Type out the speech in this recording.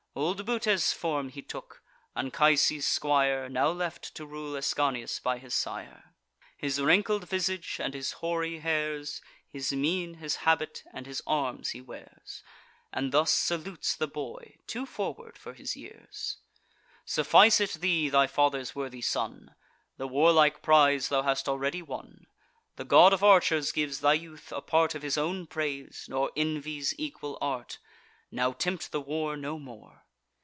Old Butes' form he took, Anchises' squire, Now left, to rule Ascanius, by his sire: His wrinkled visage, and his hoary hairs, His mien, his habit, and his arms, he wears, And thus salutes the boy, too forward for his years: "Suffice it thee, thy father's worthy son, The warlike prize thou hast already won. The god of archers gives thy youth a part Of his own praise, nor envies equal art. Now tempt the war no more."